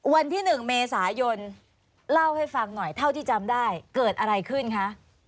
วันที่๑เมษายนเล่าให้ฟังหน่อยเท่าที่จำได้เกิดอะไรขึ้นคะ